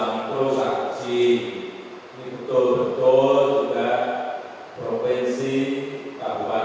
anggaran untuk ini juga disiapkan